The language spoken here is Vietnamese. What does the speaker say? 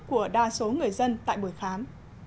của đa số người dân tại buổi khám